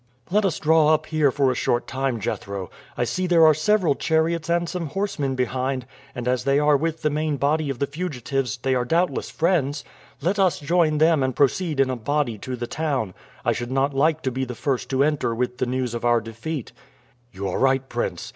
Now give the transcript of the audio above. "Let us draw up here for a short time, Jethro. I see there are several chariots and some horsemen behind, and as they are with the main body of the fugitives, they are doubtless friends. Let us join them and proceed in a body to the town. I should not like to be the first to enter with the news of our defeat." "You are right, prince.